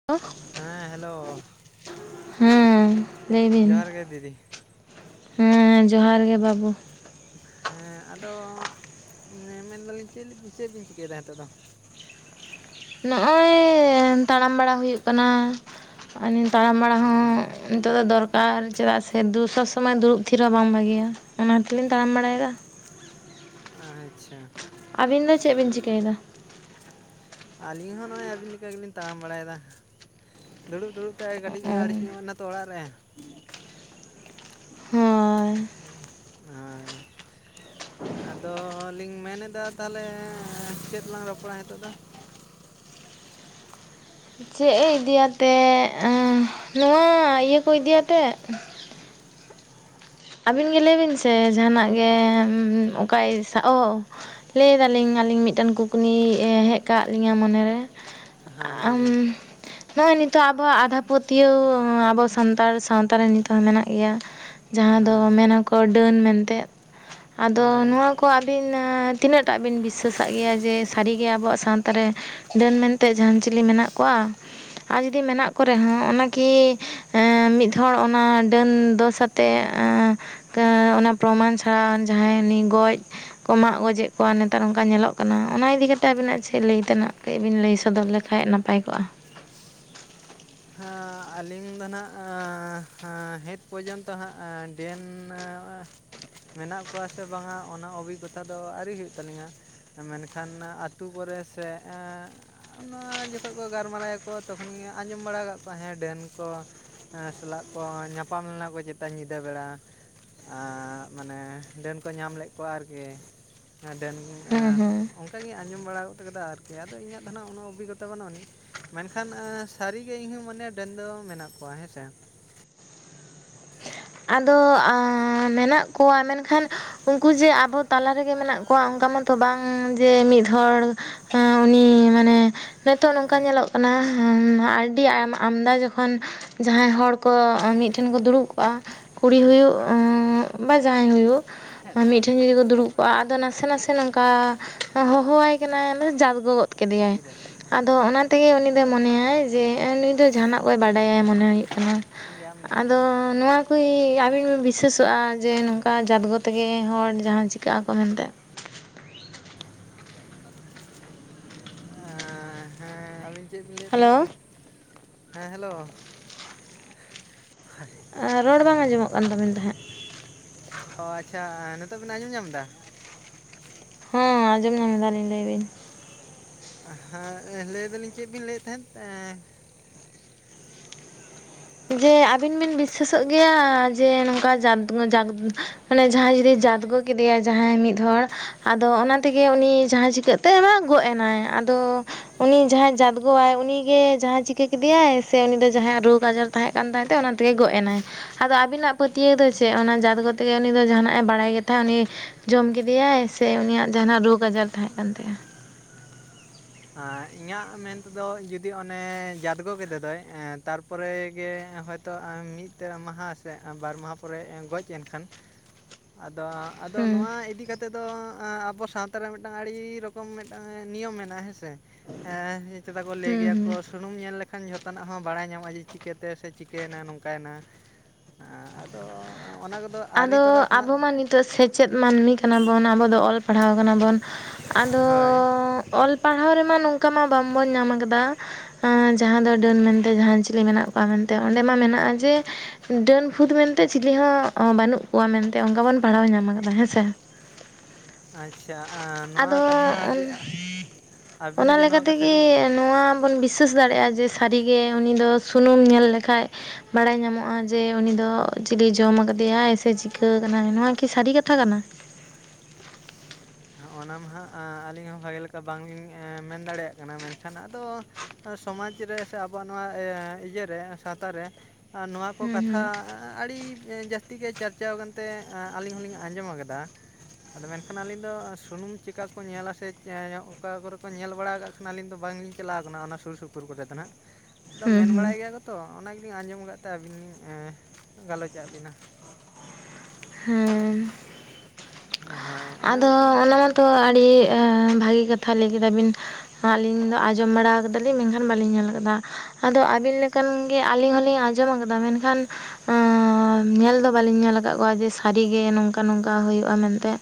[unintelligible] ᱦᱮᱸ ᱦᱮᱞᱳ᱾ ᱦᱮᱸ ᱞᱟᱹᱭ ᱵᱤᱱ᱾ ᱡᱚᱦᱟᱨ ᱜᱮ ᱫᱤᱫᱤ ᱦᱮᱸ ᱡᱚᱦᱟᱨ ᱜᱮ ᱵᱟᱵᱩ᱾ ᱦᱮᱸ ᱟᱫᱚ ᱢᱮᱱᱫᱟᱞᱤᱧ ᱪᱮᱱ ᱪᱮᱱ ᱵᱤᱱ ᱪᱤᱠᱟᱹᱭᱮᱫᱟ ᱱᱤᱛᱚᱜ ᱫᱚ? ᱱᱚᱜᱼᱚᱭ ᱛᱟᱲᱟᱢ ᱵᱟᱲᱟ ᱦᱩᱭᱩᱜ ᱠᱟᱱᱟ, ᱱᱤᱛ ᱛᱟᱲᱟᱢ ᱵᱟᱲᱟ ᱦᱚᱸ ᱱᱤᱛᱚᱜ ᱫᱚᱨ ᱟᱨ ᱪᱮᱫᱟᱜ ᱥᱮ ᱫᱩ ᱥᱚᱵ ᱥᱚᱢᱚᱭ ᱫᱩᱲᱩᱵ ᱛᱷᱤᱨ ᱦᱚᱸ ᱵᱟᱝ ᱵᱷᱟᱜᱤᱭᱟ ᱚᱱᱟ ᱛᱮᱞᱤᱧ ᱛᱟᱲᱟᱢ ᱵᱟᱲᱟᱭᱮᱫᱟ᱾ ᱟᱪᱪᱷᱟ᱾ ᱟᱵᱤᱱ ᱫᱚ ᱪᱮᱫ ᱵᱤᱱ ᱪᱤᱠᱟᱹᱭᱮᱫᱟ? ᱟᱞᱤᱧ ᱦᱚᱸ ᱱᱚᱜᱼᱚᱭ ᱟᱵᱤᱱ ᱞᱮᱠᱟ ᱜᱮᱞᱤᱧ ᱛᱟᱲᱟᱢ ᱵᱟᱲᱟᱭᱮᱫᱟ, ᱫᱩᱲᱩᱵ ᱫᱩᱲᱩᱵ ᱛᱮ ᱠᱟᱹᱴᱤᱡ ᱞᱤᱧ ᱦᱳᱭ ᱟᱹᱲᱤᱥ ᱧᱚᱜᱮᱱᱟ᱾ ᱛᱚ ᱚᱲᱟᱜ ᱨᱮ ᱦᱩᱸ᱾ ᱟᱸ ᱟᱫ ᱞᱤᱧ ᱢᱮᱱᱫᱟ ᱛᱟᱦᱚᱞᱮ ᱪᱮᱫᱞᱟᱝ ᱨᱚᱯᱚᱲᱟ ᱱᱤᱛᱚᱜ ᱫᱚ? ᱪᱮᱫ ᱮ ᱤᱫᱤᱭᱟᱛᱮᱜ ᱮᱸ ᱱᱚᱣᱟ ᱤᱭᱟᱹ ᱠᱚ ᱤᱫᱤᱭᱟᱛᱮᱜ, ᱟᱹᱵᱤᱱ ᱜᱮ ᱞᱟᱹᱭ ᱵᱤᱱ ᱥᱮ ᱡᱟᱦᱟᱸᱱᱟᱜ ᱜᱮ ᱚᱠᱟᱭ ᱥᱟ ᱚ ᱞᱟᱹᱭᱫᱟᱞᱤᱧ ᱟᱹᱞᱤᱧ ᱢᱤᱫᱴᱟᱝ ᱠᱩᱠᱞᱤ ᱦᱮᱡ ᱠᱟᱜ ᱞᱤᱧᱟᱹ ᱢᱚᱱᱮᱨᱮ। ᱦᱮᱸ ᱟᱜ ᱞᱟᱹᱭ ᱩᱸ ᱵᱤᱱ ᱱᱚᱜᱼᱚᱭ ᱱᱤᱛᱚᱜ ᱟᱵᱚᱣᱟᱜ ᱟᱫᱷᱟ ᱯᱟᱹᱛᱭᱟᱹᱣ ᱟᱵᱚ ᱥᱟᱱᱛᱟᱲ ᱥᱟᱶᱛᱟ ᱨᱮ ᱱᱤᱛᱚᱜ ᱦᱚᱸ ᱢᱮᱱᱟᱜ ᱜᱮᱭᱟ। ᱡᱟᱦᱟᱸ ᱫᱚ ᱦᱮᱸ ᱢᱮᱱᱟᱠᱚ ᱰᱟᱹᱱ ᱢᱮᱱᱛᱮᱜ ᱟᱫᱚ ᱦᱳᱭ ᱱᱚᱣᱟ ᱠᱚ ᱟᱹᱵᱤᱱ ᱛᱤᱱᱟᱹᱜᱴᱟᱜ ᱵᱤᱱ ᱵᱤᱥᱥᱟᱹᱥᱟᱜ ᱜᱮᱭᱟ ᱡᱮ ᱥᱟᱹᱨᱤᱜᱮ ᱟᱵᱚᱣᱟᱜ ᱥᱟᱶᱛᱟᱨ ᱨᱮ ᱰᱟᱹᱱ ᱢᱮᱱᱛᱮ ᱡᱟᱦᱟᱸᱱ ᱪᱤᱞᱤ ᱢᱮᱱᱟᱜ ᱠᱚᱣᱟ? ᱟᱨ ᱡᱩᱚᱫᱤ ᱢᱮᱱᱟᱜ ᱠᱚ ᱨᱮᱦᱚᱸ ᱚᱱᱟᱠᱤ ᱢᱤᱫ ᱦᱚᱲ ᱚᱱᱟ ᱰᱟᱹᱱ ᱫᱚ ᱥᱟᱛ ᱛᱮ ᱚᱱᱟ ᱠᱟ ᱯᱨᱚᱢᱟᱱ ᱪᱷᱟᱲᱟ ᱡᱟᱦᱟᱸᱭ ᱜᱚᱡ ᱠᱚ ᱢᱟᱜ ᱜᱚᱡᱮᱫ ᱠᱚᱣᱟ, ᱱᱮᱛᱟᱨ ᱚᱝᱠᱟ ᱧᱮᱞᱚᱜ ᱠᱟᱱᱟ ᱚᱱᱟ ᱤᱫᱤ ᱠᱟᱛᱮᱜ ᱟᱵᱤᱱᱟᱜ ᱪᱮᱫ ᱞᱟᱹᱭ ᱛᱮᱱᱟᱜ ᱠᱟᱹᱡ ᱵᱤᱱ ᱞᱟᱹᱭ ᱥᱚᱫᱚᱨ ᱞᱮᱠᱟᱱᱡ ᱱᱟ ᱯᱟᱭ ᱠᱚᱜᱼᱟ। ᱦᱟᱸ ᱟᱹᱞᱤᱧ ᱫᱚ ᱦᱟᱸᱜ ᱱᱤᱛ ᱯᱚᱨᱡᱚᱱᱛᱚ ᱦᱟᱸᱜ ᱰᱟ. ᱱ ᱢᱮᱱᱟᱜ ᱠᱚᱣᱟ ᱥᱮ ᱵᱟᱝᱟ ᱚᱱᱟ ᱚᱵᱷᱤᱜᱽᱜᱚᱛᱟ ᱫᱚ ᱟᱹᱣᱨᱤ ᱦᱩᱭᱩᱜ ᱛᱟᱹᱟᱞᱤᱧᱟ, ᱢᱮᱱᱠᱷᱟᱱ ᱟᱹᱛᱩᱳ ᱠᱚᱨᱮ ᱥᱮ ᱮᱸ ᱚᱱᱟ ᱡᱚᱠᱷᱚᱡ ᱠᱚ ᱜᱟᱞᱢᱟᱨᱟᱭᱟᱠᱚ ᱛᱚᱠᱷᱚᱱ ᱜᱮ ᱟᱸᱡᱚᱢ ᱵᱟᱲᱟ ᱠᱟᱜ ᱠᱚᱣᱟ ᱦᱮᱸ ᱰᱟᱹᱱ ᱠᱚ ᱮᱸ ᱥᱟᱞᱟᱜ ᱠᱚ ᱧᱟᱯᱟᱢ ᱞᱮᱱᱟ ᱠᱚ ᱪᱮᱛᱟ ᱧᱤᱫᱟᱹ ᱵᱮᱲᱟ, ᱟᱸᱜ ᱢᱟᱱᱮ ᱰᱟᱹᱱ ᱠᱚ ᱧᱟᱢ ᱞᱮᱫ ᱠᱚᱣᱟ ᱟᱨᱠᱤ ᱰᱟᱹᱱ ᱦᱮᱸ ᱟᱸ ᱦᱮᱸ ᱚᱱ ᱠᱟᱜᱤᱧ ᱟᱸᱡᱚᱢ ᱵᱟᱲᱟᱜᱚᱫ ᱠᱟᱫᱟ ᱟᱨᱠᱤ ᱟᱫᱚ ᱤᱧᱟᱹᱜ ᱫᱚ ᱱᱟᱜ ᱩᱱᱟᱹᱜ ᱚᱵᱷᱤᱜᱚᱛᱟ ᱵᱟᱹᱱ ᱟᱹᱱᱤᱡ, ᱢᱮᱱᱠᱷᱟᱱ ᱥᱟᱹᱨᱤᱜᱮ ᱤᱧᱦᱚᱸ ᱢᱚᱱᱮᱭᱟ ᱰᱟᱹᱱ ᱫᱚ ᱢᱮᱱᱟᱜ ᱠᱚᱣᱟ ᱦᱮᱸᱥᱮ᱾ ᱟᱫᱚ ᱢᱮᱱᱟᱜ ᱠᱚᱣᱟ ᱢᱮᱱᱠᱷᱟᱱ ᱩᱱᱠᱩ ᱡᱮ ᱟᱵᱚ ᱛᱟᱞᱟ ᱨᱮᱜᱮ ᱢᱮᱱᱟᱜ ᱠᱚᱣᱟ ᱚᱝᱠᱟ ᱢᱟᱛᱚ ᱵᱟᱝ ᱡᱮ ᱢᱤᱫ ᱦᱚᱲ ᱩᱱᱤ ᱢᱟᱱᱮ ᱱᱤᱛᱚᱜ ᱱᱚᱝᱠᱟ ᱧᱮᱞᱚᱜ ᱠᱟᱱᱟ ᱟᱹᱰᱤ ᱟᱭ ᱟᱢᱫᱟ ᱡᱚᱠᱷᱚᱱ ᱡᱟᱦᱟᱸᱭ ᱦᱚᱲ ᱠᱚ ᱢᱤᱫᱴᱷᱮᱱ ᱠᱚ ᱫᱩᱲᱩᱵ ᱠᱚᱜᱼᱟ ᱠᱩᱲᱤ ᱦᱩᱭᱩᱜ ᱵᱟ ᱡᱟᱦᱟᱸᱟᱭ ᱦᱩᱭᱩᱜ, ᱢᱤᱫ ᱴᱷᱮᱱ ᱡᱩᱫᱤ ᱠᱚ ᱫᱩᱲᱩᱵ ᱠᱚᱜᱼᱟ ᱟᱫᱚ ᱱᱟᱥᱮ ᱱᱟᱥᱮ ᱱᱚᱝᱠᱟ ᱦᱚᱦᱚᱣᱟᱭ ᱠᱟᱱᱟᱭ ᱢᱮ ᱡᱟᱛ ᱜᱚᱜᱚᱫ ᱠᱮᱫ ᱭᱟᱭ ᱟᱛᱤᱨᱮ ᱟᱫᱚ ᱚᱱᱟ ᱛᱮᱜᱮ ᱩᱱᱤ ᱫᱚᱭ ᱢᱚᱱᱮᱭᱟᱭ ᱡᱮ ᱱᱩᱭ ᱫᱚ ᱡᱟᱦᱟᱸᱱᱟᱜ ᱠᱚᱭ ᱵᱟᱰᱟᱭᱟ ᱢᱚᱱᱮ ᱦᱮᱸ ᱦᱩᱭᱩᱜ ᱠᱟᱱᱟ। ᱤᱧ ᱞᱟᱹᱭᱟᱢᱟᱹᱧ ᱦᱟᱸᱜ᱾ ᱟᱫᱚ ᱱᱚᱣᱟ ᱠᱤ ᱟᱵᱤᱱ ᱵᱤᱥᱟᱹᱮᱥᱚᱜᱼᱟ ᱡᱮ ᱱᱚᱝᱠᱟ ᱡᱟᱛᱜᱳ ᱛᱮᱜᱮ ᱦᱚᱲ ᱡᱟᱦᱟᱸ ᱪᱤᱠᱟᱹᱜ ᱟᱠᱚ ᱢᱮᱱᱛᱮᱜ? ᱮᱸ ᱦᱮᱸ ᱟᱹᱵᱤᱱ ᱪᱮᱫ ᱵᱤᱱ ᱞᱟᱹᱭᱮᱫ ᱦᱮᱞᱳ ᱛᱟᱦᱮᱸᱫᱼᱟ ᱦᱮᱸ ᱦᱮᱞᱳ᱾ ᱟᱸ ᱨᱚᱲ ᱵᱟᱝ ᱟᱸᱡᱚᱢᱚᱜ ᱠᱟᱱ ᱛᱟᱵᱤᱱ ᱛᱟᱦᱮᱸᱜ᱾ ᱚ ᱟᱪᱪᱷᱟ ᱱᱤᱛᱚᱜ ᱵᱮᱱ ᱟᱸᱡᱚᱢ ᱧᱟᱢ ᱫᱟ? ᱦᱚᱸ ᱟᱸᱡᱚᱢ ᱧᱟᱢ ᱫᱟᱞᱤᱧ ᱞᱟᱹᱭ ᱵᱤᱱ᱾ ᱦᱮᱸ ᱞᱟᱹᱭ ᱫᱟᱞᱤᱧ ᱪᱮᱫ ᱵᱤᱱ ᱞᱟᱹᱭᱮᱫ ᱛᱟᱦᱮᱸᱫ ᱮᱸ ᱡᱮ ᱟᱹᱵᱤᱱ ᱵᱤᱱ ᱵᱤᱥᱟᱹᱥᱚᱜ ᱜᱮᱭᱟ ᱡᱮ ᱱᱚᱝᱠᱟ ᱡᱟᱫ ᱡᱟᱠ ᱢᱟᱱᱮ ᱡᱟᱦᱟᱸᱭ ᱡᱩᱫᱤ ᱡᱟᱛᱜᱚ ᱠᱮᱫᱮᱭᱟᱭ ᱡᱟᱦᱟᱸᱭ ᱢᱤᱫ ᱦᱚᱲ, ᱟᱫᱚ ᱚᱱᱟ ᱛᱮᱜᱮ ᱩᱱᱤ ᱡᱟᱦᱟᱸ ᱪᱤᱠᱟᱹᱜᱛᱮ ᱚᱱᱟ ᱜᱚᱡ ᱮᱱᱟᱭ ᱟᱫᱚ ᱩᱱᱤ ᱡᱟᱦᱟᱸᱟᱭ ᱡᱟᱫᱜᱳᱟᱭ ᱩᱱᱤᱜᱮ ᱡᱟᱦᱟᱸ ᱪᱤᱠᱟᱹ ᱠᱮᱫᱮᱭᱟᱭ ᱥᱮ ᱩᱱᱤ ᱫᱚ ᱡᱟᱦᱟ ᱨᱳᱜᱽ ᱟᱡᱟᱨ ᱛᱟᱦᱮᱸ ᱠᱟᱱ ᱛᱟᱭ ᱛᱮ ᱚᱱᱟ ᱛᱮᱜᱮ ᱜᱚᱜ ᱮᱱᱟᱭ? ᱟᱫᱚ ᱟᱵᱤᱱᱟᱜ ᱯᱟᱹᱛᱭᱟᱹᱣ ᱫᱚ ᱪᱮᱫ? ᱚᱱᱟ ᱡᱟᱛ ᱠᱚᱛᱮᱜ ᱜᱮ ᱩᱱᱤ ᱫᱚ ᱡᱟᱦᱟᱱᱟᱜᱼ ᱮ ᱵᱟᱲᱟᱭ ᱜᱮ ᱛᱟᱦᱮᱸᱫ ᱩᱱᱤ? ᱡᱚᱢ ᱠᱮᱫᱮᱭᱟᱭ ᱥᱮ ᱩᱱᱤᱭᱟᱜ ᱡᱟᱦᱟᱸᱱᱟᱜ ᱨᱳᱜᱽ ᱟᱡᱟᱨ ᱛᱟᱦᱮᱸ ᱠᱟᱱ ᱛᱟᱭᱟ? ᱦᱮᱸ ᱤᱧᱟᱹᱜ ᱢᱮᱱ ᱛᱮᱫᱚ ᱡᱩᱫᱤ ᱚᱱᱮ ᱡᱟᱫᱽᱜᱚ ᱠᱮᱫᱮ ᱫᱚᱭ ᱮᱸ ᱛᱟᱨᱼᱼ ᱯᱚᱨᱮᱜᱮ ᱦᱭᱛᱳ ᱢᱤᱫᱴᱟᱹᱝ ᱢᱟᱦᱟ ᱥᱮ ᱵᱟᱨ ᱢᱟᱦᱟ ᱯᱚᱨᱮ ᱜᱚᱡ ᱮᱱᱠᱷᱟᱱᱼᱼ ᱟᱫᱚ। ᱟᱫᱚ ᱦᱩᱸ ᱱᱚᱣᱟ ᱤᱫᱤ ᱠᱟᱛᱮᱫ ᱫᱚ ᱟᱸ ᱟᱵᱚ ᱥᱟᱶᱛᱟᱨᱮ ᱢᱤᱫᱴᱟᱝ ᱟᱹᱰᱤ ᱨᱚᱠᱚᱢ ᱢᱤᱫᱴᱟᱝ ᱮᱸ ᱱᱤᱭᱚᱢ ᱢᱮᱱᱟᱜᱼᱟ ᱦᱮᱸ ᱥᱮ। ᱦᱮᱸ ᱪᱮᱫᱟᱜ ᱠᱚ ᱞᱟᱹᱭ ᱦᱩᱸ ᱜᱮᱭᱟ ᱠᱚ। ᱦᱩᱸ ᱥᱩᱱᱩᱢ ᱧᱮᱞ ᱞᱮᱠᱷᱟᱱ ᱡᱷᱚᱛᱚᱱᱟᱜ ᱦᱚᱸ ᱵᱟᱲᱟᱭ ᱧᱟᱢᱚᱜᱼᱟ ᱡᱮ ᱪᱤᱠᱟᱹᱛᱮ, ᱥᱮ ᱪᱤᱠᱟᱹᱭᱮᱱᱟ ᱱᱚᱝᱠᱟᱭᱮᱱᱟ। ᱮ ᱟᱫᱚ, ᱚᱱᱟ ᱠᱚᱫᱼᱼ ᱟᱫᱚ ᱟᱵᱚ ᱢᱟ ᱱᱤᱛᱚᱜ ᱥᱮᱪᱮᱫ ᱢᱟᱹᱱᱢᱤ ᱠᱟᱱᱟ ᱵᱚᱱ, ᱟᱵᱚ ᱫᱚ ᱚᱞ ᱯᱟᱲᱦᱟᱣ ᱠᱟᱱᱟ ᱵᱚᱱ। ᱟᱫᱚ ᱦᱳᱭ ᱚᱞ ᱯᱟᱲᱦᱟᱣ ᱨᱮᱢᱟ ᱱᱚᱝᱠᱟ ᱢᱟ ᱵᱟᱵᱚ ᱧᱟᱢ ᱠᱟᱫᱟ। ᱮᱸ ᱡᱟᱦᱟᱸ ᱫᱚ ᱰᱟᱹᱱ ᱢᱮᱱᱛᱮ ᱡᱟᱦᱟᱸ ᱪᱤᱞᱤ ᱢᱮᱱᱟᱜ ᱠᱚᱣᱟ ᱢᱮᱱᱛᱮ ᱾ ᱚᱸᱰᱮ ᱢᱟ ᱢᱮᱱᱟᱜᱼᱟ ᱡᱮᱼᱼ ᱰᱟᱹᱱ ᱯᱷᱩᱛ ᱢᱮᱱᱛᱮ ᱪᱤᱞᱤ ᱦᱚᱸᱼᱼ ᱵᱟᱹᱱᱩᱜ ᱠᱚᱣᱟ ᱢᱮᱱᱛᱮ ᱚᱱᱠᱟ ᱵᱚᱱ ᱯᱟᱲᱦᱟᱣ ᱧᱟᱢ ᱟᱠᱟᱫᱟ ᱦᱮᱸ ᱥᱮ ᱾ ᱟᱪᱪᱷᱟ ᱟᱸ ᱱᱚᱣᱟ ᱟᱫᱚ ᱠᱟᱛᱷᱟ ᱡᱮ ᱟᱼᱼ ᱚᱱᱟ ᱞᱮᱠᱟ ᱛᱮᱜᱮ ᱱᱚᱣᱟ ᱵᱚᱱ ᱵᱤᱼᱼ ᱥᱥᱟᱥ ᱫᱟᱲᱮᱭᱟᱜᱼᱟ ᱡᱮ ᱥᱟᱹᱨᱤ ᱜᱮ ᱩᱱᱤ ᱫᱚ ᱥᱩᱱᱩᱢ ᱧᱮᱞ ᱞᱮᱠᱷᱟᱡᱼᱼ ᱵᱟᱲᱟᱭ ᱧᱟᱢᱚᱜᱼᱟ ᱡᱮ ᱩᱱᱤ ᱫᱚ, ᱪᱤᱞᱤ ᱡᱚᱢ ᱟᱠᱟᱫᱮᱼᱼ ᱫᱮᱭᱟᱭ ᱥᱮ ᱪᱤᱠᱟᱹᱣ ᱠᱟᱱᱟᱭ ᱱᱚᱣᱟ ᱠᱤ ᱥᱟᱹᱨᱤ ᱠᱟᱛᱷᱟ ᱠᱟᱱᱟ? ᱚᱱᱟ ᱢᱟ ᱦᱟᱸᱜ ᱟ ᱟᱹᱞᱤᱧ ᱦᱚᱸ ᱵᱷᱟᱜᱮ ᱞᱮᱠᱟ ᱵᱟᱝᱞᱤᱧ ᱮ ᱢᱮᱱ ᱫᱟᱲᱮᱭᱟᱜ ᱠᱟᱱᱟ, ᱢᱮᱱᱠᱷᱟᱱ ᱟᱫᱚᱼᱼ ᱥᱚᱢᱟᱡᱽ ᱨᱮ ᱥᱮ ᱟᱵᱚᱣᱟᱜ ᱱᱚᱣᱟ ᱮ ᱤᱭᱟᱹ ᱨᱮ ᱥᱟᱶᱛᱟ ᱨᱮ ᱱᱚᱣᱟ ᱠᱚ ᱦᱩᱸ ᱠᱟᱛᱷᱟᱼᱼ ᱦᱩᱸ ᱮ ᱟᱹᱰᱤ ᱡᱟᱹᱥᱛᱤ ᱜᱮ ᱪᱟᱨᱪᱟᱣ ᱟᱠᱟᱱᱛᱮ ᱟᱹᱞᱤᱧ ᱦᱚᱞᱤᱧ ᱟᱸᱡᱚᱢ ᱟᱠᱟᱫᱟ ᱾ ᱟᱫᱚ ᱢᱮᱱᱠᱷᱟᱱ ᱟᱹᱞᱤᱧᱼᱼ ᱟᱹᱞᱤᱧ ᱫᱚ ᱥᱩᱱᱩᱢ ᱪᱤᱠᱟ ᱠᱚ ᱧᱮᱞᱟ ᱥᱮ ᱚᱠᱟ ᱠᱚᱨᱮ ᱠᱚ ᱧᱮᱞ ᱵᱟᱲᱟ ᱠᱟᱜ ᱠᱟᱱᱟ ᱟᱹᱞᱤᱧ ᱫᱚ ᱵᱟᱝᱞᱤᱧ ᱪᱟᱞᱟᱣ ᱟᱠᱟᱱᱟ ᱚᱱᱟ ᱥᱩᱨ ᱥᱩᱯᱩᱨ ᱾ [inaudible] ᱜᱚᱡᱮ ᱠᱟᱱᱟ ᱾ ᱟᱫᱚ ᱦᱩᱸ ᱢᱮᱱ ᱦᱩᱸ ᱵᱟᱲᱟᱭ ᱜᱮᱭᱟ ᱠᱚ ᱛᱚ ᱚᱱᱟ ᱜᱮᱞᱤᱧ ᱟᱸᱡᱚᱢ ᱟᱠᱟᱫ ᱛᱮ ᱟᱹᱵᱤᱱ ᱮ ᱜᱟᱞᱚᱪᱟᱜ ᱵᱤᱱᱟ ᱾ ᱦᱮᱸ ᱦᱚᱭ ᱟᱫᱚ ᱚᱱᱟ ᱢᱟᱛᱚ ᱮ ᱟᱹᱰᱤ ᱵᱷᱟᱹᱜᱤ ᱠᱟᱛᱷᱟ ᱞᱟᱹᱭ ᱠᱮᱫᱟ ᱵᱤᱱ ᱾ ᱟᱹᱞᱤᱧ ᱫᱚ ᱟᱸᱡᱚᱢ ᱵᱟᱲᱟ ᱟᱠᱟᱫᱟᱞᱤᱧ ᱢᱮᱱᱠᱷᱟᱱ ᱵᱟᱞᱤᱧ ᱧᱮᱞ ᱟᱠᱟᱫᱟ, ᱟᱫᱚ ᱟᱹᱵᱤᱱ ᱞᱮᱼᱼ ᱚᱱᱠᱟᱱ ᱜᱮ ᱟᱹᱞᱤᱧ ᱦᱚᱸᱞᱤᱧ ᱟᱸᱡᱚᱢ ᱠᱟᱫᱟ ᱢᱮᱱᱠᱷᱟᱱᱼᱼ ᱮᱸ ᱧᱮᱞ ᱫᱚ ᱵᱟᱹᱞᱤᱧ ᱧᱮᱞ ᱟᱠᱟᱫ ᱠᱚᱣᱟ ᱡᱮ ᱥᱟᱹᱨᱤ ᱜᱮ ᱱᱚᱝᱠᱟ ᱱᱚᱝᱠᱟ ᱦᱩᱭᱩᱜᱼᱟ ᱢᱮᱱᱛᱮ ᱾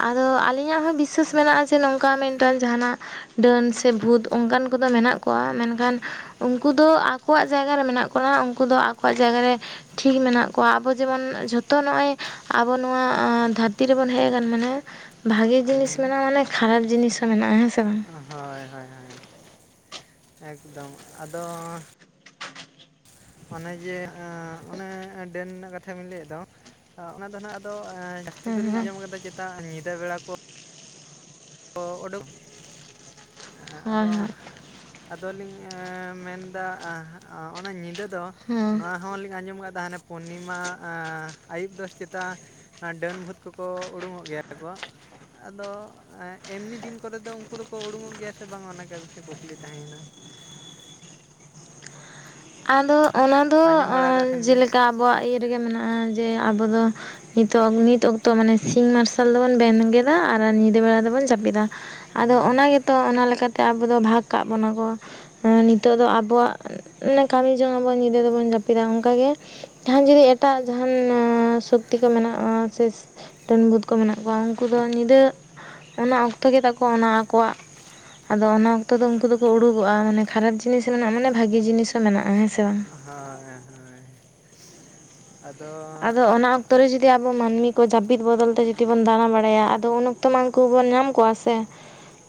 ᱟᱫᱚ ᱟᱹᱞᱤᱧᱟᱜ ᱦᱚᱸ ᱵᱤᱥᱥᱟᱹᱥ ᱢᱮᱱᱟᱜᱼᱟ ᱡᱮ ᱱᱚᱝᱠᱟ ᱢᱮᱱᱼᱼ ᱢᱤᱫᱴᱟᱱ ᱡᱟᱸᱦᱟᱱᱟᱜ, ᱰᱟᱹᱱ ᱥᱮ ᱵᱷᱩᱛ ᱚᱱᱠᱟᱱ ᱠᱚᱫᱚ ᱢᱮᱱᱟᱜ ᱠᱚᱣᱟ ᱾ ᱢᱮᱱᱠᱷᱟᱱᱼᱼ ᱩᱱᱠᱩ ᱫᱚ ᱟᱠᱚᱣᱟᱜ ᱡᱟᱭᱜᱟ ᱨᱮ ᱢᱮᱱᱟᱜ ᱠᱚᱣᱟ, ᱩᱱᱠᱩ ᱫᱚ ᱟᱠᱚᱣᱟᱜ ᱡᱟᱭᱜᱟ ᱨᱮᱼᱼ ᱴᱷᱤᱠ ᱢᱮᱱᱟᱜ ᱠᱚᱣᱟ ᱟᱵᱚ ᱡᱮᱢᱚᱱ ᱡᱷᱚᱛᱚ ᱱᱚᱜᱼᱚᱭ ᱟᱵᱚ ᱱᱚᱣᱟ ᱫᱷᱟᱹᱨᱛᱤ ᱨᱮᱵᱚᱱ ᱦᱮᱡᱼᱼ ᱛᱟᱨᱢᱟᱱᱮ, ᱵᱷᱟᱜᱤ ᱡᱤᱱᱤᱥ ᱦᱮᱸ ᱢᱮᱱᱟᱜᱼᱟ ᱢᱟᱱᱮ ᱠᱷᱟᱨᱟᱯ ᱡᱤᱱᱤᱥ ᱦᱚᱸ ᱢᱮᱱᱟᱜᱼᱟ, ᱦᱮᱸ ᱥᱮ ᱵᱟᱝ ᱾ ᱦᱚᱭ ᱦᱚᱭ ᱦᱚᱭ ᱦᱚᱭ ᱾ ᱮᱠᱫᱚᱢ ᱟᱫᱚᱼᱼ ᱚᱱᱮ ᱡᱮ ᱮᱸ ᱚᱱᱮ ᱰᱟᱹᱱ ᱨᱮᱱᱟᱜ ᱠᱟᱛᱷᱟ ᱵᱮᱱ ᱞᱟᱹᱭᱮᱫ ᱫᱚ, ᱚ ᱚᱱᱟ ᱫᱚ ᱱᱟᱜᱼᱼ ᱫᱚ ᱡᱟᱹᱥᱛᱤ ᱦᱮᱸ ᱫᱚᱞᱤᱧ ᱦᱮᱸ ᱟᱸᱡᱚᱢ ᱟᱠᱟᱫᱟ ᱪᱮᱛᱟ ᱧᱤᱫᱟᱹ ᱵᱮᱲᱟ ᱠᱚᱼᱼ ᱠᱚ ᱚᱰᱚᱠ, ᱮ ᱟᱫᱚᱼᱼ ᱦᱳᱭ ᱦᱳᱭ ᱟᱫᱚᱞᱤᱧ ᱮ ᱢᱮᱱᱫᱟ, ᱮ ᱚᱱᱮ ᱧᱤᱫᱟᱹ ᱫᱚ ᱦᱮᱸ ᱱᱚᱣᱟᱼᱼ ᱱᱚᱣᱟ ᱦᱚᱸᱞᱤᱧ ᱟᱸᱡᱚᱢ ᱟᱠᱟᱫᱟ ᱦᱟᱱᱮ ᱯᱩᱨᱱᱤᱢᱟ ᱮ ᱟᱹᱭᱩᱵ ᱫᱚ ᱪᱮᱛᱟᱼᱼ ᱮᱸ ᱰᱟᱹᱱ ᱵᱷᱩᱛ ᱠᱚᱠᱚ ᱩᱰᱩᱠᱚᱜ ᱜᱮᱭᱟ ᱥᱮ ᱠᱚ, ᱟᱫᱚ ᱮᱸᱼᱼ ᱮᱢᱱᱤ ᱫᱤᱱ ᱠᱚᱨᱮ ᱫᱚ ᱩᱱᱠᱩ ᱫᱚᱠᱚ ᱩᱰᱩᱝᱚᱜ ᱜᱮᱭᱟ ᱥᱮ ᱵᱟᱝ ᱚᱱᱟ ᱜᱮ ᱢᱤᱫᱴᱮᱱ ᱠᱩᱠᱞᱤ ᱛᱟᱦᱮᱸᱭᱮᱱᱟ? ᱟᱫᱚ ᱚᱱᱟ ᱫᱚ ᱟᱸᱡᱚᱢ ᱵᱟᱲᱟ ᱠᱟᱜ ᱠᱷᱟᱱ ᱵᱤᱱ ᱡᱮᱞᱮᱠᱟ ᱟᱵᱚᱣᱟᱜ ᱤᱭᱟᱹ ᱨᱮᱜᱮ ᱢᱮᱱᱟᱜᱼᱟ ᱡᱮ ᱟᱵᱚ ᱫᱚ ᱱᱤᱛᱚᱜ, ᱱᱤᱛ ᱚᱠᱛᱚ ᱢᱟᱱᱮ ᱥᱤᱧ ᱢᱟᱨᱥᱟᱞ ᱫᱚᱵᱚᱱ ᱵᱮᱱᱜᱮᱫᱟ ᱟᱨ ᱧᱤᱫᱟᱹ ᱵᱮᱲᱟ ᱫᱚᱵᱚᱱ ᱡᱟᱯᱤᱫᱟ᱾ ᱟᱫᱚ ᱦᱳᱭ ᱚᱱᱟ ᱜᱮ ᱛᱚ ᱚᱱᱟ ᱞᱮᱠᱟᱛᱮ ᱟᱵᱚ ᱫᱚ ᱵᱷᱟᱜᱽ ᱠᱟᱜ ᱵᱚᱱᱟ ᱠᱚ, ᱮᱸ ᱱᱤᱛᱚᱜ ᱫᱚ ᱟᱵᱚᱣᱟᱜ ᱚᱢᱮ ᱠᱟᱢᱤ ᱡᱚᱝ ᱟᱵᱚᱱ ᱧᱤᱫᱟᱹ ᱫᱚᱵᱚᱱ ᱡᱟᱹᱯᱤᱫᱟ ᱚᱝᱠᱟ ᱜᱮ, ᱡᱟᱦᱟᱸᱱ ᱡᱩᱫᱤ ᱮᱴᱟᱜ ᱡᱟᱦᱟᱸᱱ ᱥᱚᱠᱛᱤ ᱠᱚ ᱢᱮᱱᱟᱜᱼᱟ, ᱥᱮ ᱰᱟᱹᱱ ᱵᱷᱩᱛ ᱠᱚ ᱢᱮᱱᱟᱜ ᱠᱚᱣᱟ ᱩᱝᱠᱩ ᱫᱚ ᱧᱤᱫᱟᱹ ᱚᱱᱟ ᱚᱠᱛᱚ ᱜᱮᱛᱟ ᱠᱚ ᱚᱱᱟ ᱟᱠᱚᱣᱟᱜ ᱟᱫᱚ ᱚᱱᱟ ᱚᱠᱛᱚ ᱫᱚ ᱩᱝᱠᱩ ᱫᱚᱠᱚ ᱩᱰᱩᱠᱚᱜᱼᱟ, ᱢᱟᱱᱮ ᱠᱷᱟᱨᱟᱯ ᱡᱤᱱᱤᱥ ᱦᱚᱸ ᱢᱮᱱᱟᱜᱼᱟ ᱢᱟᱱᱮ ᱵᱷᱟᱜᱤ ᱡᱤᱱᱤᱥ ᱦᱚᱸ ᱢᱮᱱᱟᱜᱼᱟ ᱦᱮᱸ ᱥᱮ ᱵᱟᱝᱟ? ᱦᱳᱭ ᱦᱳᱭ᱾ ᱟᱫᱚ ᱟᱫᱚ ᱚᱱᱟ ᱚᱠ ᱛᱚ ᱨᱮ ᱡᱩᱫᱤ ᱟᱵᱚ ᱢᱟᱱᱢᱤ ᱠᱚ ᱡᱟᱯᱤᱫ ᱵᱚᱫᱚᱞ ᱛᱮ ᱡᱩᱫᱤ ᱵᱚᱱ ᱫᱟᱬᱟ ᱵᱟᱲᱟᱭᱟ ᱟᱫᱚ ᱩᱱ ᱚᱠᱛᱚ ᱢᱟᱱ ᱩᱝᱠᱩ ᱵᱚᱱ ᱧᱟᱢ ᱠᱚᱣᱟ ᱥᱮ᱾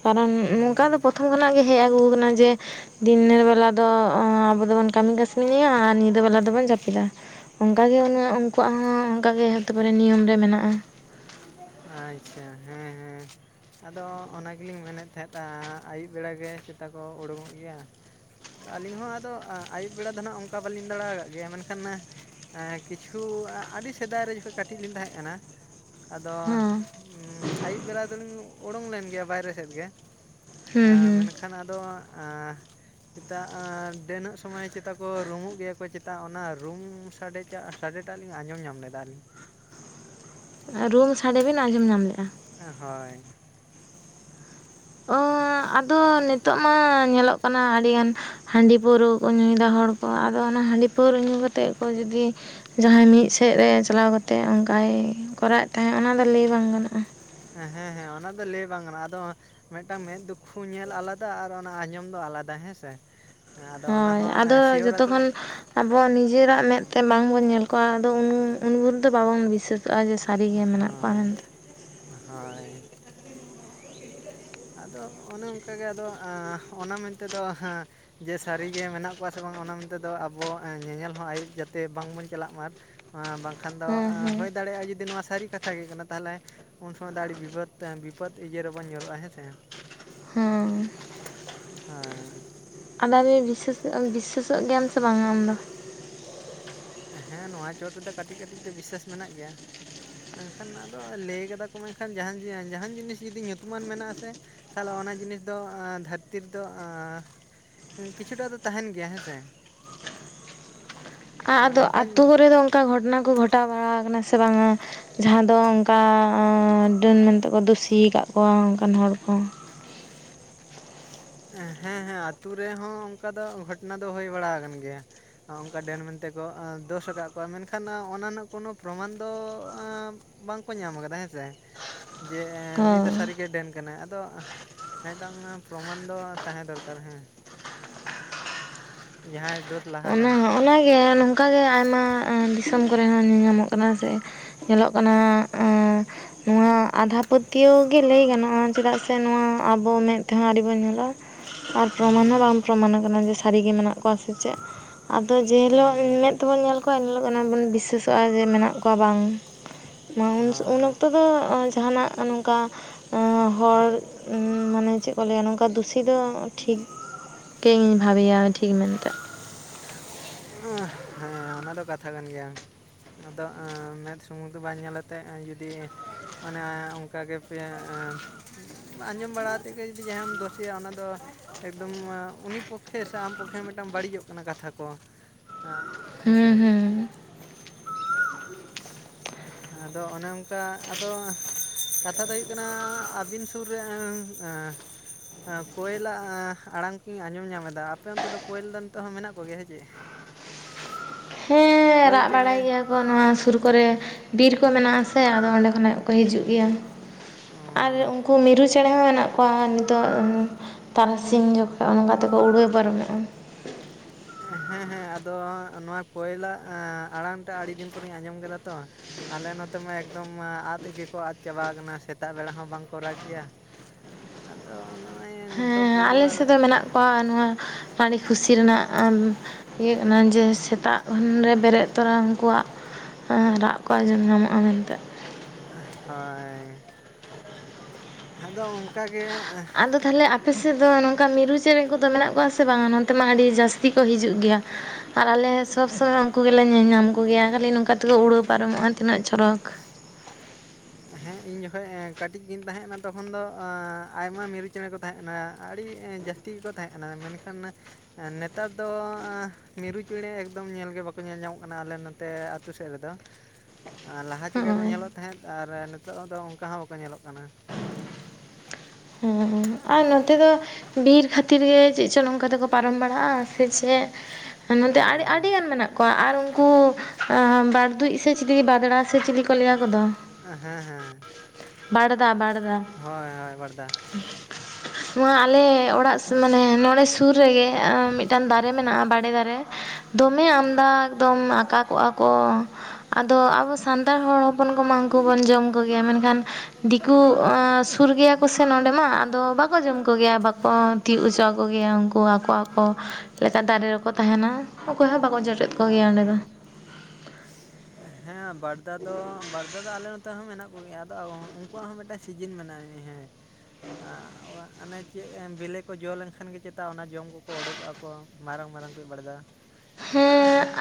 ᱠᱟᱨᱚᱱ ᱱᱚᱝᱠᱟ ᱫᱚ ᱦᱩᱸ ᱯᱨᱚᱛᱷᱚᱢ ᱠᱷᱚᱱᱟᱜ ᱜᱮ ᱦᱮᱡ ᱟᱜᱩ ᱠᱟᱱᱟ ᱡᱮ ᱫᱤᱱᱮᱨ ᱵᱮᱞᱟ ᱫᱚ ᱟᱵᱚ ᱫᱚᱵᱚᱱ ᱠᱟᱢᱤ ᱠᱟᱥᱱᱤᱭᱟ ᱟᱨ ᱧᱤᱫᱟᱹ ᱵᱮᱞᱟ ᱫᱚᱵᱚᱱ ᱡᱟᱹᱯᱤᱫᱟ᱾ ᱚᱝᱠᱟ ᱜᱮ‌ ᱢᱟᱱᱮ ᱩᱱᱠᱩᱣᱟᱜ ᱦᱚᱸ ᱚᱝᱠᱟ ᱜᱮ ᱦᱚᱛᱮ ᱯᱟᱨᱮ ᱱᱤᱭᱚᱢ ᱨᱮ ᱢᱮᱱᱟᱜᱼᱟ᱾ ᱟᱪᱪᱷᱟ ᱦᱮᱸ ᱦᱮᱸ᱾ ᱟᱫᱚ ᱚᱱᱟ ᱜᱮᱞᱤᱧ ᱢᱮᱱ ᱮᱫ ᱛᱟᱦᱮᱸᱫᱼᱟ ᱟᱹᱭᱩᱵ ᱵᱮᱲᱟ ᱜᱮ ᱪᱮᱛᱟ ᱠᱚ ᱩᱰᱩᱝᱚᱜ ᱜᱮᱭᱟ᱾ ᱟᱹᱞᱤᱧ ᱦᱚᱸ ᱟᱫᱚ ᱟᱸ ᱟᱭᱩᱵ ᱵᱮᱲᱟ ᱫᱚ ᱱᱟᱦᱟᱜ ᱚᱝᱠᱟ ᱵᱟᱞᱤᱧ ᱫᱟᱬᱟ ᱠᱟᱜ ᱜᱮᱭᱟ, ᱢᱮᱱᱠᱷᱟᱱ ᱮᱸ ᱠᱤᱪᱷᱩ ᱟᱹᱰᱤ ᱥᱮᱫᱟᱭ ᱨᱮ ᱡᱚᱠᱷᱚᱡ ᱠᱟᱹᱴᱤᱡ ᱞᱤᱧ ᱛᱟᱦᱮᱸᱜ ᱠᱟᱱᱟ, ᱟᱫᱚ ᱦᱮᱸ ᱟᱭᱩᱵ ᱵᱮᱲᱟ ᱫᱚᱞᱤᱧ ᱩᱰᱩᱝ ᱞᱮᱱ ᱜᱮᱭᱟ ᱵᱟᱭᱨᱮ ᱥᱮᱫ ᱜᱮ, ᱦᱩᱸ ᱮᱸ ᱦᱩᱸ ᱢᱮᱱᱠᱷᱟᱱ ᱟᱫᱚ ᱮᱸᱻ ᱪᱮᱛᱟ ᱰᱟᱹᱱᱟᱹᱜ ᱥᱚᱢᱚᱭ ᱪᱮᱛᱟ ᱠᱚ ᱨᱩᱢᱩᱜ ᱜᱮᱭᱟ ᱠᱚ ᱪᱮᱛᱟ ᱚᱱᱟ ᱨᱩᱢ ᱥᱟᱰᱮ [unintelligible] ᱥᱟᱰᱮ ᱴᱟᱜ ᱞᱤᱧ ᱟᱸᱡᱚᱢ ᱧᱟᱢ ᱞᱮᱫᱟ ᱟᱞᱤᱧ᱾ ᱟᱸ ᱨᱩᱢ ᱥᱟᱰᱮ ᱵᱤᱱ ᱟᱸᱡᱚᱢ ᱧᱟᱢ ᱞᱮᱜᱼᱟ? ᱮᱸ ᱦᱳᱭ᱾ ᱚᱸ ᱟᱫᱚ ᱱᱤᱛᱚᱜ ᱢᱟ ᱧᱮᱞᱚᱜ ᱠᱟᱱᱟ ᱟᱹᱰᱤ ᱜᱟᱱ ᱦᱟᱺᱰᱤ ᱯᱟᱹᱣᱨᱟᱹ ᱠᱚ ᱧᱩᱭᱫᱟ ᱦᱚᱲ ᱠᱚ ᱟᱫᱚ ᱚᱱᱟ ᱦᱟᱺᱰᱤ ᱯᱟᱹᱣᱨᱟᱹ ᱧᱩ ᱠᱟᱛᱮᱜ ᱠᱚ ᱡᱩᱫᱤ ᱡᱟᱦᱟᱸᱭ ᱢᱤᱫ ᱥᱮᱫ ᱨᱮ ᱪᱟᱞᱟᱣ ᱠᱟᱛᱮᱜ ᱚᱝᱠᱟᱭ ᱠᱚᱨᱟᱣ ᱮᱫ ᱛᱟᱦᱮᱸᱜ ᱚᱱᱟ ᱫᱚ ᱞᱟᱹᱭ ᱵᱟᱝ ᱜᱟᱱᱚᱜᱼᱟ᱾ ᱦᱮᱸ ᱦᱮᱸ ᱚᱱᱟ ᱫᱚ ᱞᱟᱹᱭ ᱵᱟᱝ ᱜᱟᱱᱚᱜ-ᱟ ᱟᱫᱚ ᱢᱤᱫᱴᱟᱝ ᱢᱮᱫ ᱫᱩᱠᱠᱷᱩ ᱧᱮᱞ ᱟᱞᱟᱫᱟ ᱟᱨ ᱚᱱᱟ ᱟᱸᱡᱚᱢ ᱫᱚ ᱟᱞᱟᱫᱟ ᱦᱮᱸ ᱥᱮ? ᱦᱮᱸ ᱟᱫᱚ ᱚᱱᱟ ᱦᱳᱭ ᱦᱚᱸ ᱮᱸ ᱟᱫᱚ ᱥᱤᱭᱳᱨ ᱡᱚᱛᱚ ᱟᱛᱮᱫ ᱠᱷᱚᱱ ᱟᱵᱚ ᱱᱤᱡᱮᱨᱟᱜ ᱢᱮᱫ ᱛᱮ ᱵᱟᱝ ᱵᱚᱱ ᱧᱮᱞ ᱠᱚᱣᱟ ᱟᱫᱚ ᱩᱱ ᱩᱱᱵᱷᱩᱨ ᱫᱚ ᱵᱟᱵᱚᱱ ᱵᱤᱥᱟᱹᱥᱚᱜᱼᱟ ᱡᱮ ᱥᱟᱹᱨᱤᱜᱮ ᱟᱸ ᱢᱮᱱᱟᱜ ᱠᱚᱣᱟ ᱢᱮᱱᱛᱮ ᱦᱟᱸ, ᱦᱳᱭ᱾ ᱟᱫᱚ ᱚᱱᱮ ᱚᱱᱠᱟ ᱜᱮ ᱟᱫᱚ ᱟᱸ ᱚᱱᱟ ᱢᱮᱱ ᱛᱮᱫᱚ ᱡᱮ ᱥᱟᱨᱤ ᱜᱮ ᱢᱮᱱᱟᱜ ᱠᱚᱣᱟ ᱥᱮ ᱵᱟᱝ ᱚᱱᱟ ᱢᱮᱱᱛᱮ ᱫᱚ ᱟᱵᱚ ᱧᱮᱧᱮᱞ ᱦᱚᱸ ᱟᱹᱭᱩᱵ ᱡᱟᱛᱮ ᱵᱟᱝ ᱵᱚᱱ ᱪᱟᱞᱟᱜ ᱢᱟ, [unintelligible] ᱵᱟᱝᱠᱷᱟᱱ ᱫᱚ ᱦᱮᱸ ᱦᱮᱸ ᱦᱩᱭ ᱫᱟᱲᱮᱭᱟᱜᱼᱟ ᱡᱩᱫᱤ ᱱᱚᱣᱟ ᱥᱟᱹᱨᱤ ᱠᱟ ᱛᱷᱟ ᱜᱮ ᱠᱟᱱᱟ ᱛᱟᱦᱚᱞᱮ, ᱩᱱ ᱥᱚᱢᱚᱭ ᱫᱚ ᱟᱹᱰᱤ ᱵᱤᱯᱚᱫ ᱵᱤᱯᱚᱫ ᱤᱭᱟᱹ ᱨᱮᱵᱚᱱ ᱧᱩᱨᱩᱜᱼᱟ ᱦᱮᱸ ᱥᱮ ᱵᱟᱝ? ᱦᱚᱸ᱾ ᱦᱳᱭ᱾ [unintelligible] ᱵᱤᱥᱥᱟᱹᱥᱚᱜ-ᱟᱢ ᱵᱤᱥᱥᱟᱹᱥᱚᱜ ᱜᱮᱭᱟᱢ ᱥᱮ ᱵᱟᱝ ᱟᱢᱫᱚ? ᱦᱮᱸ ᱱᱚᱣᱟ ᱪᱚᱴ ᱨᱮᱫᱚ ᱠᱟᱴᱤᱡ ᱠᱟᱴᱤᱡ ᱫᱚ ᱵᱤᱥᱟᱹᱥ ᱢᱮᱱᱟᱜ ᱜᱮᱭᱟ, ᱢᱮᱱᱠᱷᱟᱱ ᱟᱫᱚ ᱞᱟᱹᱭ ᱠᱟᱫᱟ ᱠᱚ ᱢᱮᱱᱠᱷᱟᱱ ᱡᱟᱦᱟᱸᱱ [unintelligible] ᱡᱟᱦᱟᱸᱱ ᱡᱤᱱᱤᱥ ᱡᱩᱫᱤ ᱧᱩᱛᱩᱢᱟᱱ ᱢᱮᱱᱟᱜ-ᱟ ᱥᱮ, ᱛᱟᱦᱚᱞᱮ ᱚᱱᱟ ᱡᱤᱱᱤᱥ ᱫᱚ, ᱫᱷᱟᱹᱨᱛᱤ ᱨᱮᱫᱚᱟᱸᱻ ᱠᱤᱪᱷᱩᱴᱟ ᱫᱚ ᱛᱟᱦᱮᱱ ᱜᱮᱭᱟ ᱦᱮᱸ ᱥᱮ᱾ ᱟ-ᱟᱫᱚ ᱚᱱᱠᱟᱧ ᱟᱛᱳ ᱨᱮᱫᱚ ᱚᱝᱠᱟ ᱜᱷᱚᱴᱚᱱᱟ ᱠᱚ ᱜᱷᱚᱴᱟᱣ ᱵᱟᱲᱟ ᱟᱠᱟᱱᱟ ᱥᱮ ᱵᱟᱝ-ᱟ? ᱡᱟᱦᱟᱸ ᱫᱚ ᱚᱝᱠᱟ ᱰᱟᱹᱱ ᱢᱮᱱ ᱛᱮᱠᱚ ᱫᱩᱥᱤ ᱟᱠᱟᱜ ᱠᱚᱣᱟ ᱚᱝᱠᱟᱱ ᱦᱚᱲ ᱠᱚ? ᱦᱮᱸ ᱦᱮᱸ ᱟᱹᱛᱩ ᱨᱮᱦᱚᱸ ᱚᱝᱠᱟ ᱫᱚ ᱜᱷᱚᱴᱚᱱᱟ ᱫᱚ ᱦᱳᱭ ᱵᱟᱲᱟ ᱟᱠᱟᱱ ᱜᱮᱭᱟ᱾ ᱚᱱᱠᱟ ᱰᱟᱹᱱ ᱢᱮᱱᱛᱮ ᱠᱚ ᱮᱸ ᱫᱳᱥ ᱟᱠᱟᱫ ᱠᱚᱣᱟ, ᱢᱮᱱᱠᱷᱟᱱ ᱚᱱᱟ ᱱᱟᱜ ᱠᱳᱱᱳ ᱯᱨᱚᱢᱟᱱ ᱫᱚ ᱮᱸᱻ ᱵᱟᱝᱠᱚ ᱧᱟᱢ ᱠᱟᱫᱟ, ᱦᱮᱸ ᱥᱮ ᱾ ᱡᱮ ᱮᱸ ᱱᱩᱭ ᱦᱳᱭ᱾ ᱫᱚ ᱥᱟᱹᱨᱤᱜᱮ ᱰᱟᱹᱱ ᱠᱟᱱᱟᱭ, ᱟᱫᱚ ᱢᱤᱫᱴᱟᱝ ᱯᱨᱚᱢᱟᱱ ᱫᱚ ᱛᱟᱦᱮᱸ ᱫᱚᱨᱠᱟᱨ ᱦᱮᱸ᱾ ᱡᱟᱦᱟᱸᱭ ᱫᱳᱥ ᱞᱟᱦᱟᱨᱮ ᱚᱱᱟ ᱦᱚᱸ ᱚᱱᱟ ᱜᱮ ᱱᱚᱝᱠᱟᱜᱮ ᱟᱭᱢᱟ ᱟᱸ ᱫᱤᱥᱚᱢ ᱠᱚᱨᱮ ᱦᱚᱸ ᱧᱮᱧᱟᱢᱚᱜ ᱠᱟᱱᱟ, ᱡᱮ ᱧᱮᱞᱚᱜ ᱠᱟᱱᱟ, ᱟᱸ ᱱᱚᱣᱟ ᱟᱸᱫᱷᱟ ᱯᱟᱹᱛᱭᱟᱹᱣ ᱜᱮ ᱞᱟᱹᱭ ᱜᱟᱱᱚᱜᱼᱟ, ᱪᱮᱫᱟᱜ ᱥᱮ ᱱᱚᱣᱟ ᱟᱵᱚ ᱢᱮᱫ ᱛᱮᱦᱚᱸ ᱟᱹᱣᱨᱤ ᱵᱚᱱ ᱧᱮᱞᱟ ᱾ ᱟᱨ ᱯᱨᱚᱢᱟᱱ ᱦᱚᱸ ᱦᱩᱸ ᱵᱟᱝ ᱯᱨᱚᱢᱟᱱ ᱠᱟᱱᱟ ᱡᱮ ᱥᱟᱹᱨᱤᱜᱮ ᱢᱮᱱᱟᱜ ᱠᱚᱣᱟ ᱥᱮ ᱪᱮᱫ ᱾ ᱟᱫᱚ ᱡᱮ ᱦᱤᱞᱳᱜ ᱦᱩᱸ ᱢᱮᱸᱫ ᱛᱮᱵᱚᱱ ᱧᱮᱞ ᱠᱚᱣᱟ ᱮᱱᱦᱤᱞᱳᱜ ᱵᱚᱱ ᱵᱤᱥᱥᱟᱹᱥᱚᱜᱼᱟ ᱡᱮ ᱢᱮᱱᱟᱜ ᱠᱚᱣᱟ ᱵᱟᱝ᱾ ᱢᱟ ᱩᱱᱥ ᱩᱱ ᱦᱳᱭ ᱚᱠᱛᱚ ᱫᱚ ᱟᱸ ᱡᱟᱦᱟᱱᱟᱜ ᱱᱚᱝᱠᱟ ᱮᱸᱻ ᱦᱚᱲ ᱢᱟᱱᱮ ᱪᱮᱫ ᱠᱚ ᱞᱟᱹᱭᱟ ᱱᱚᱝᱠᱟ ᱫᱩᱥᱤ ᱫᱚ ᱴᱷᱤᱠ ᱜᱮ ᱤᱧ ᱵᱷᱟᱵᱮᱭᱟ ᱴᱷᱤᱠ ᱢᱮᱱᱛᱮ ᱾ ᱦᱮᱸ ᱚᱱᱟ ᱫᱚ ᱠᱟᱛᱷᱟ ᱠᱟᱱ ᱜᱮᱭᱟ, ᱟᱫᱚ ᱟᱸ ᱢᱮᱫ ᱥᱩᱢᱩᱝ ᱫᱚ ᱵᱟᱝ ᱧᱮ ᱟᱛᱮᱜ ᱮᱸ ᱡᱩᱫᱤ ᱚᱱᱮ ᱚᱝᱠᱟ ᱜᱮ ᱯᱮᱭᱟᱻ ᱟᱸᱡᱚᱢ ᱵᱟᱲᱟ ᱛᱮᱫ ᱜᱮ ᱡᱩᱫᱤ ᱡᱟᱦᱟᱸᱢ ᱫᱳᱥᱮᱭᱟ ᱚᱱᱟ ᱫᱚ ᱮᱠᱫᱚᱢᱻ ᱟ ᱩᱱᱤ ᱯᱚᱠᱠᱷᱮ ᱥᱮ ᱟᱢ ᱯᱚᱠᱠᱷᱮ ᱦᱚᱸ ᱢᱤᱫᱴᱟᱝ ᱵᱟᱹᱲᱤᱡᱚᱜ ᱠᱟᱱᱟ ᱠᱟᱛᱷᱟ ᱠᱚᱦᱚᱸ, ᱟᱸ ᱦᱮᱸ ᱦᱩᱸ ᱥᱮ ᱾ ᱦᱩᱸ ᱟᱫᱚ ᱚᱱᱮ ᱚᱝᱠᱟ ᱟᱫᱚ ᱠᱟᱛᱷᱟ ᱫᱚ ᱦᱩᱭᱩᱜ ᱠᱟᱱᱟ ᱟᱹᱵᱤᱱ ᱥᱩᱨ ᱨᱮ [unintelligible] ᱦᱮᱸ ᱠᱚᱭᱮᱞᱟᱜ ᱟᱸ ᱟᱲᱟᱝ ᱠᱚᱧ ᱟᱸᱡᱚᱢ ᱧᱟᱢᱮᱫᱟ, ᱟᱯᱮ ᱚᱱᱛᱮ ᱫᱚ ᱠᱚᱭᱮᱞ ᱫᱚ ᱱᱤᱛᱚᱜ ᱦᱚᱸ ᱢᱮᱱᱟᱜ ᱠᱚ ᱜᱮᱭᱟ ᱥᱮ ᱪᱮᱫ? ᱦᱮᱸᱻ ᱠᱳᱭᱮᱞ ᱨᱟᱜ ᱪᱮᱬᱮ ᱵᱟᱲᱟᱭ ᱜᱮᱭᱟ ᱠᱚ ᱱᱚᱣᱟ ᱥᱩᱨ ᱠᱚᱨᱮ ᱵᱤᱨ ᱠᱚ ᱢᱮᱱᱟᱜ-ᱟ ᱥᱮ ᱟᱫᱚ ᱚᱸᱰᱮ ᱠᱷᱚᱱᱟᱜ ᱠᱚ ᱦᱤᱡᱩᱜ ᱜᱮᱭᱟ ᱾ ᱟᱨ ᱩᱝᱠᱩ ᱢᱤᱨᱩ ᱪᱮᱬᱮ ᱦᱚᱸ ᱦᱮᱱᱟᱜ ᱠᱚᱣᱟ, ᱱᱤᱛᱚᱜ ᱛᱟᱨᱟᱥᱤᱧ ᱡᱚᱠᱷᱟᱡ ᱚᱱᱠᱟ ᱛᱮᱠᱚ ᱩᱰᱟᱹᱣ ᱯᱟᱨᱚᱢᱚᱜ-ᱟ᱾ ᱦᱮᱸ ᱦᱮᱸ ᱟᱫᱚ ᱱᱚᱣᱟ ᱠᱚᱭᱞᱟᱜ ᱟᱲᱟᱝ ᱴᱟᱜ ᱟᱹᱲᱤ ᱫᱤᱱ ᱯᱚᱨᱮᱧ ᱟᱸᱡᱚᱢ ᱠᱮᱫᱟ ᱛᱚ ᱾ ᱟᱞᱮ ᱱᱚᱛᱮ ᱢᱟ ᱮᱠᱫᱚᱢ ᱢᱟ ᱟᱫ ᱜᱮᱠᱚ ᱟᱫ ᱪᱟᱵᱟ ᱠᱟᱱᱟ, ᱥᱮᱛᱟᱜ ᱵᱮᱲᱟ ᱦᱚᱸ ᱵᱟᱝᱠᱚ ᱨᱟᱜᱽ ᱜᱮᱭᱟ ᱾ ᱟᱫᱚ ᱱᱚᱜ-ᱚᱭ ᱱᱤᱛᱳᱜ ᱯᱳᱭᱞᱩ ᱵᱟᱨ ᱯᱟ ᱱᱚᱣᱟ ᱟᱹᱰᱤ ᱠᱷᱩᱥᱤ ᱨᱮᱱᱟᱜ ᱟᱢ ᱤᱭᱟᱹ ᱠᱟᱱᱟ ᱡᱮ ᱥᱮᱛᱟᱜ ᱩᱱᱨᱮ ᱵᱮᱨᱮᱫ ᱛᱚᱨᱟ ᱩᱱᱠᱩᱣᱟᱜ ᱮᱸ ᱨᱟᱜ ᱠᱚ ᱟᱸᱡᱚᱢ ᱧᱟᱢᱚᱜ-ᱟ ᱢᱮᱱᱛᱮ ᱾ ᱟᱸ ᱦᱳᱭ, ᱟᱫᱚ ᱚᱝᱠᱟᱜᱮ ᱟᱫᱚ ᱛᱟᱦᱚᱞᱮ ᱟᱯᱮ ᱥᱮᱫ ᱫᱚ ᱱᱚᱝᱠᱟ ᱢᱤᱨᱩ ᱪᱮᱬᱮ ᱠᱚᱫᱚ ᱢᱮᱱᱟᱜ ᱠᱚᱣᱟ ᱥᱮ ᱵᱟᱝᱟ ᱱᱚᱱᱛᱮ ᱢᱟ ᱟᱹᱰᱤ ᱡᱟᱹᱥᱛᱤ ᱠᱚ ᱦᱤᱡᱩᱜ ᱜᱮᱭᱟ ᱾ ᱟᱨ ᱟᱞᱮ ᱥᱚᱵᱽ ᱥᱚᱢᱚᱭ ᱩᱱᱠᱩ ᱜᱮᱞᱮ ᱧᱮᱞ ᱧᱟᱢ ᱠᱚᱜᱮᱭᱟ, ᱠᱷᱟᱹᱞᱤ ᱱᱚᱝᱠᱟ ᱛᱮᱠᱚ ᱩᱲᱟᱹᱣ ᱯᱟᱨᱚᱢᱚᱜ-ᱟ ᱛᱤᱱᱟᱹᱜ ᱪᱚᱨᱚᱠ ᱾ ᱦᱮᱸ, ᱤᱧ ᱡᱚᱠᱷᱮᱡ ᱠᱟᱹᱴᱤᱡ ᱜᱤᱧ ᱛᱟᱦᱮᱸᱜ ᱱᱟ ᱛᱚᱠᱷᱚᱱ ᱫᱚ ᱟᱸ ᱟᱭᱢᱟ ᱢᱤᱨᱩ ᱪᱮᱬᱮ ᱠᱚ ᱛᱟᱦᱮᱸᱜ ᱠᱟᱱᱟ ᱟᱹᱲᱤ ᱡᱟᱹᱥ ᱛᱤ ᱜᱮᱠᱚ ᱛᱟᱦᱮᱸᱜ ᱠᱟᱱᱟ ᱢᱮᱱᱠᱷᱟᱱ ᱚᱱᱮ ᱮᱸ ᱱᱮᱛᱟᱨ ᱫᱚ ᱢᱤᱨᱩ ᱪᱮᱬᱮ ᱮᱠᱫᱚᱢ ᱧᱮᱞ ᱜᱮ ᱵᱟᱠᱚ ᱧᱮᱞ ᱧᱟᱢᱚᱜ ᱠᱟᱱᱟ ᱟᱞᱮ ᱱᱚᱛᱮ ᱟᱛᱩ ᱥᱮᱫ ᱨᱮᱫᱚ ᱾ ᱟᱨ ᱞᱟᱦᱟ ᱪᱮᱠᱟ ᱠᱚ ᱦᱚᱸᱜᱼᱚᱭ ᱧᱮᱞᱚᱜ ᱛᱟᱦᱮᱸᱫ ᱟᱨ ᱱᱤᱛᱳᱜ ᱦᱚᱸ ᱫᱚ ᱚᱝᱠᱟ ᱦᱚᱸ ᱵᱟᱠᱚ ᱧᱮᱞᱚᱜ ᱠᱟᱱᱟ ᱾ ᱦᱩᱸ, ᱟᱨ ᱱᱚᱛᱮ ᱫᱚ ᱵᱤᱨ ᱠᱷᱟᱹᱛᱤᱨ ᱜᱮ ᱪᱮᱜ ᱪᱚ ᱱᱚᱝᱠᱟ ᱫᱚᱠᱚ ᱯᱟᱨᱚᱢ ᱵᱟᱲᱟᱜ-ᱟ ᱥᱮ ᱪᱮᱫ? ᱚ ᱱᱚᱛᱮ ᱟᱹᱰᱤ ᱟᱹᱰᱤ ᱜᱟᱱ ᱢᱮᱱᱟᱜ ᱠᱚᱣᱟ ᱟᱨ ᱩᱱᱠᱩ ᱟᱸ ᱵᱟᱲᱫᱩᱡ ᱥᱮ ᱪᱤᱞᱤ ᱵᱟᱫᱽᱲᱟ ᱥᱮ ᱪᱤᱞᱤ ᱠᱚ ᱞᱟᱹᱭᱟ ᱠᱚᱫᱚ? ᱦᱮᱸ ᱦᱮᱸ ᱾ ᱵᱟᱲᱫᱟ ᱵᱟᱲᱫᱟ ᱾ ᱦᱚᱭ ᱦᱚᱭ ᱵᱟᱲᱫᱟ ᱾ ᱱᱚᱣᱟ ᱟᱞᱮ ᱚᱲᱟᱜ ᱢᱟᱱᱮ ᱱᱚᱸᱰᱮᱼᱼ ᱥᱩᱨ ᱨᱮᱜᱮ ᱟᱸ ᱢᱤᱫᱴᱟᱝ ᱫᱟᱨᱮ ᱢᱮᱱᱟᱜ-ᱟ ᱵᱟᱲᱮ ᱫᱟᱨᱮᱼᱼ ᱫᱚᱢᱮ ᱟᱢᱫᱟ ᱮᱠᱫᱚᱢ ᱟᱠᱟᱸ ᱠᱚᱜᱼᱟ ᱠᱚ ᱾ ᱟᱫᱚ ᱟᱵᱚ ᱥᱟᱱᱛᱟᱲ ᱦᱚᱲ ᱦᱚᱯᱚᱱ ᱠᱚᱢᱟ ᱩᱱᱠᱩ ᱵᱚᱱ ᱡᱚᱢ ᱠᱚᱜᱮᱭᱟ, ᱢᱮᱱᱠᱷᱟᱱᱼᱼ ᱫᱤᱠᱩ ᱟᱻ ᱥᱩᱨ ᱜᱮᱭᱟ ᱠᱚᱥᱮ ᱱᱚᱸᱰᱮ ᱢᱟ ᱟᱫᱚ ᱵᱟᱠ ᱵᱟᱠᱚ ᱡᱚᱢ ᱠᱚᱜᱮᱭᱟ ᱵᱟᱠᱚ ᱛᱤᱭᱚᱜ ᱚᱪᱚᱣ ᱟᱠᱚ ᱩᱱᱠᱩ ᱟᱠᱚ ᱟᱠᱚ ᱞᱮᱠᱟ ᱫᱟᱨᱮ ᱨᱮᱠᱚ ᱛᱟᱦᱮᱱᱟ ᱾ ᱚᱠᱚᱭ ᱦᱚᱸ ᱵᱟᱠᱚ ᱡᱚᱴᱮᱫ ᱚ ᱠᱚᱜᱮᱭᱟ ᱚᱸᱰᱮ ᱫᱚ ᱾ ᱦᱮᱸ ᱵᱟᱲᱫᱟ ᱫᱚ ᱵᱟᱲᱫᱟ ᱫᱚ ᱟᱞᱮ ᱱᱚᱛ ᱫᱟ ᱦᱚᱸ ᱢᱮᱱᱟᱜ ᱠᱚᱜᱮᱭᱟ ᱟᱫᱚ ᱩᱱᱠᱩᱣᱟᱜ ᱦᱚᱸ ᱢᱤᱫᱴᱟᱡ ᱥᱤᱡᱟᱹᱱ ᱢᱮᱱᱟᱜ-ᱟ ᱦᱮᱸ ᱟ ᱚᱭᱟᱼᱼ ᱚᱱᱮ ᱪᱮᱫ ᱵᱤᱞᱮ ᱠᱚ ᱡᱚ ᱞᱮᱱᱠᱷᱟᱱ ᱜᱮ ᱪᱮᱛᱟ ᱚᱱᱟ ᱡᱚᱢ ᱠᱚᱠᱚ ᱚᱰᱚᱠᱚᱜ ᱟᱠᱚ ᱢᱟᱨᱟᱝ ᱢᱟᱨᱟᱝ ᱠᱚ ᱵᱟᱲᱫᱟ ᱾ ᱦᱮᱸ ᱟᱯ